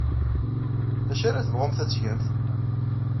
D acu ara tebɣumt ad t-tgemt?